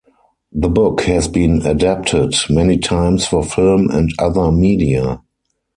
The book has been adapted many times for film and other media.